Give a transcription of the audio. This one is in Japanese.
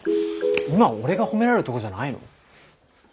今俺が褒められるとこじゃないの？